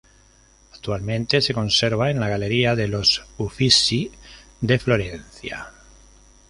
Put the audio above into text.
Actualmente, se conserva en la Galería de los Uffizi de Florencia.